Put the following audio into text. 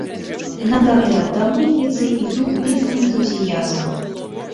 На дагляд да мытніцы іду без энтузіязму.